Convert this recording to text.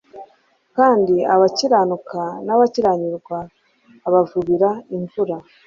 kandi abakiranuka n'abakiranirwa abavubira imvura.»